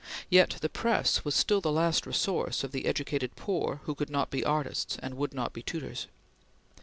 Yet the press was still the last resource of the educated poor who could not be artists and would not be tutors.